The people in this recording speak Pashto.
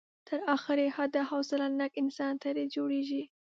تر اخري حده حوصله ناک انسان ترې جوړېږي.